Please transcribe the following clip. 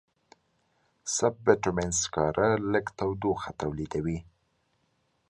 سب بټومینس سکاره لږ تودوخه تولیدوي.